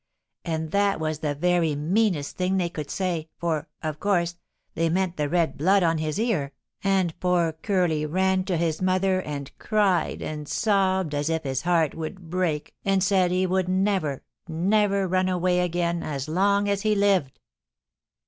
And that was the very meanest thing they could say, for, of course, they meant the red blood on his ear, and poor Curly ran to his mother and cried and sobbed as if his heart would break and said he would never, never run away again as long as he lived.